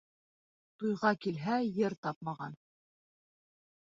Туйға килһә, йыр тапмаған.